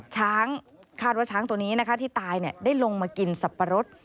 คาดว่าช้างตัวนี้นะคะที่ตายได้ลงมากินสับปะรด